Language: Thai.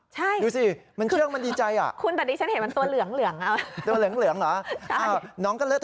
ใช่ดูสิมันเชื่องมันดีใจอ่ะคุณแต่ดิฉันเห็นมันตัวเหลืองตัวเหลืองเหรอ